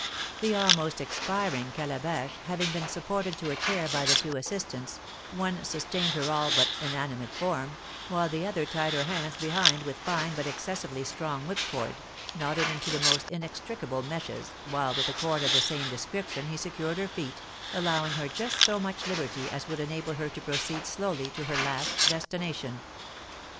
The almost expiring Calabash having been supported to a chair by the two assistants, one sustained her all but inanimate form, while the other tied her hands behind with fine but excessively strong whipcord, knotted into the most inextricable meshes, while with a cord of the same description he secured her feet, allowing her just so much liberty as would enable her to proceed slowly to her last destination.